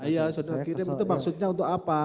iya saudara kirim itu maksudnya untuk apa